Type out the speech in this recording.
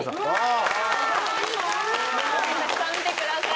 たくさん見てください。